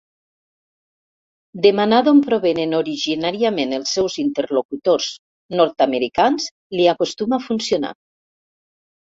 Demanar d'on provenen originàriament els seus interlocutors nord-americans li acostuma a funcionar.